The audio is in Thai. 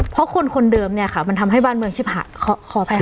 เพราะคนคนเดิมเนี่ยค่ะมันทำให้บ้านเมืองชิบหะขออภัยค่ะ